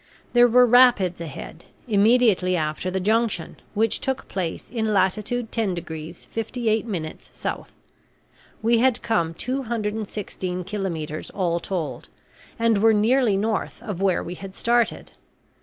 There were rapids ahead, immediately after the junction, which took place in latitude 10 degrees 58 minutes south. We had come 216 kilometres all told, and were nearly north of where we had started.